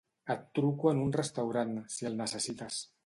Et truco en un restaurant, si el necessites.